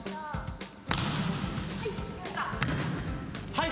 はい。